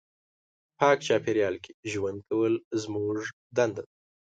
پاک چاپېریال کې ژوند کول زموږ دنده ده.